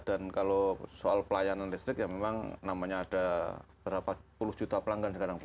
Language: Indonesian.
dan kalau soal pelayanan listrik ya memang namanya ada berapa puluh juta pelanggan sekarang bu